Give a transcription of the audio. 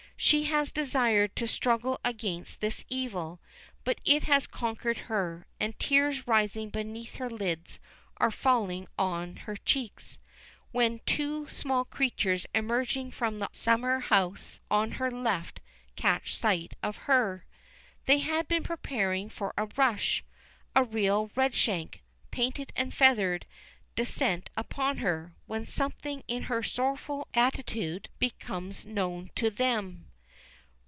She had desired to struggle against this evil, but it had conquered her, and tears rising beneath her lids are falling on her cheeks, when two small creatures emerging from the summer house on her left catch sight of her. They had been preparing for a rush, a real Redshank, painted and feathered, descent upon her, when something in her sorrowful attitude becomes known to them.